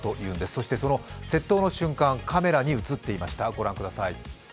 そしてその窃盗の瞬間、カメラに映っていました。